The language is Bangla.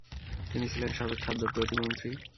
তিনি ছিলেন সাবেক খাদ্য প্রতিমন্ত্রী।